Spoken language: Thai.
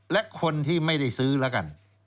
และคนที่ไม่ได้ซื้อแล้วกัน